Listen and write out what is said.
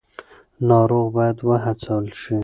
ناروغ باید وهڅول شي.